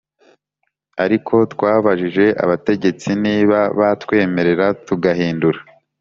Ariko twabajije abategetsi niba batwemerera tugahindura